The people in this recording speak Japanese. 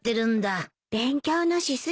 勉強のし過ぎよ。